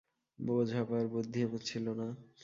বোঝবার বুদ্ধি আমার ছিল না।